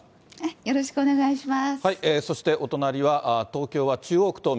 よろしくお願いします。